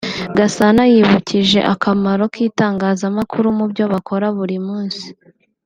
Gasana yibukije akamaro k’itangazamakuru mu byo bakora buri munsi